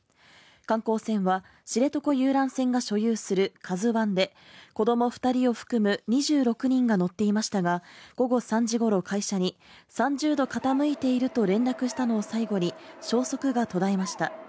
観光船は、知床遊覧船が所有する「ＫＡＺＵⅠ」で子供２人を含む２６人が乗っていましたが、午後３時ごろ、会社に３０度傾いていると連絡したのを最後に消息が途絶えました。